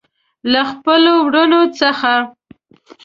له خپلو وروڼو څخه.